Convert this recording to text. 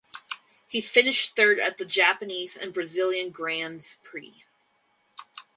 He finished third at the Japanese and Brazilian Grands Prix.